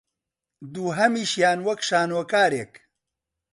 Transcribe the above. دووهەمیشیان وەک شانۆکارێک